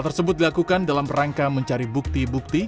hal tersebut dilakukan dalam rangka mencari bukti bukti